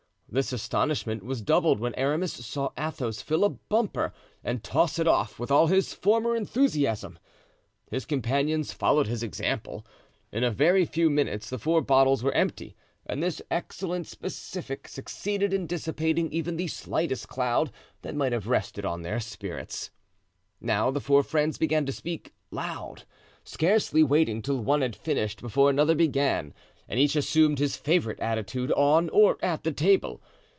This astonishment was doubled when Aramis saw Athos fill a bumper and toss it off with all his former enthusiasm. His companions followed his example. In a very few minutes the four bottles were empty and this excellent specific succeeded in dissipating even the slightest cloud that might have rested on their spirits. Now the four friends began to speak loud, scarcely waiting till one had finished before another began, and each assumed his favorite attitude on or at the table.